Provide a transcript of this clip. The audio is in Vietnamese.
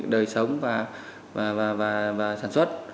đời sống và sản xuất